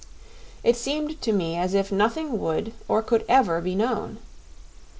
It seemed to me as if nothing would or could ever be known.